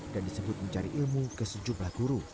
dan disebut mencari ilmu kesejumlah